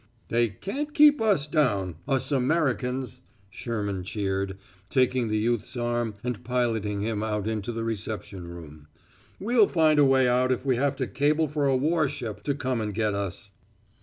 "They can't keep us down us Americans!" Sherman cheered, taking the youth's arm and piloting him out into the reception room. "We'll find a way out if we have to cable for a warship to come and get us."